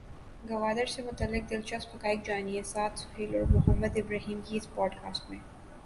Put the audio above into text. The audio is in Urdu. گوادر سے متعلق دلچسپ حقائق جانیے سعد سہیل اور محمد ابراہیم کی اس پوڈکاسٹ میں۔